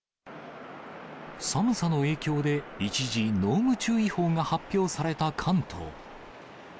寒さの影響で一時、濃霧注意報が発表された関東。